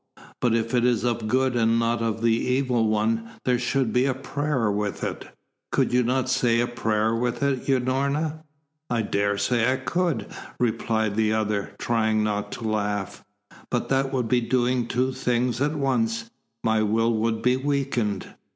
"But if it is of good, and not of the Evil One, there should be a prayer with it. Could you not say a prayer with it, Unorna?" "I daresay I could," replied the other, trying not to laugh. "But that would be doing two things at once; my will would be weakened."